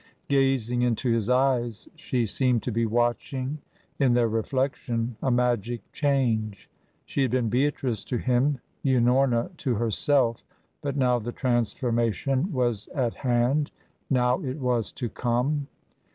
Gazing into his eyes, she seemed to be watching in their reflection a magic change. She had been Beatrice to him, Unorna to herself, but now the transformation was at hand now it was to come.